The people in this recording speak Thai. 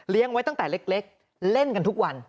ไว้ตั้งแต่เล็กเล่นกันทุกวัน